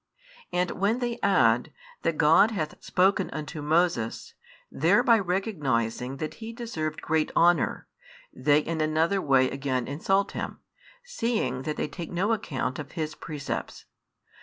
And when they add: that God hath spoken unto Moses, thereby recognising that he deserved great honour, they in another way again insult him, seeing that they take no account of his precepts.